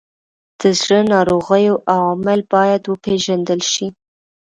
د زړه ناروغیو عوامل باید وپیژندل شي.